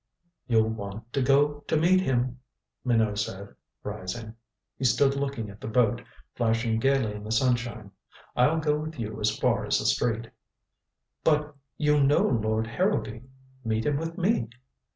"You'll want to go to meet him," Minot said, rising. He stood looking at the boat, flashing gaily in the sunshine. "I'll go with you as far as the street." "But you know Lord Harrowby. Meet him with me."